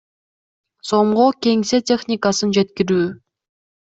сомго кеңсе техникасын жеткирүү.